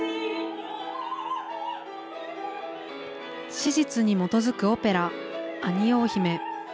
史実に基づくオペラアニオー姫。